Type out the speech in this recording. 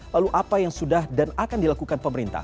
lalu apa yang sudah dan akan dilakukan pemerintah